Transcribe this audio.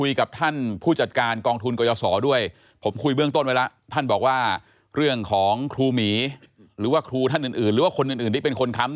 ยาท่าน้ำขาวไทยนครเพราะทุกการเดินทางของคุณจะมีแต่รอยยิ้ม